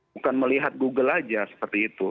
bukan melihat google aja seperti itu